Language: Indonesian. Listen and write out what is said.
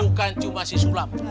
nih bukan cuma si sulam